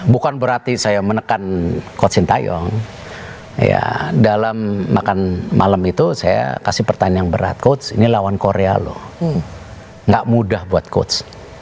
bukan berarti saya menekan coach sintayong ya dalam makan malam itu saya kasih pertanyaan yang berat coach ini lawan korea loh gak mudah buat coach